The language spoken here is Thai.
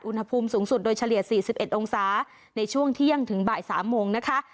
อุณหภูมิสูงสุดโดยเฉลี่ย๔๑องศาในช่วงเที่ยงถึงบ่าย๓โมงนะคะ